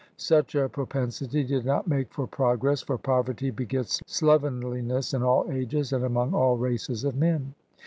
Such a propensity did not make for progress, for poverty begets slovenliness in all ages and among all races of men.